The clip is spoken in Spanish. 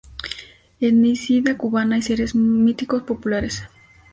Etnicidad cubana y seres míticos populares.